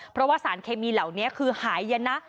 เพราะว่าสารเคมีเหล่าคือหายยณะ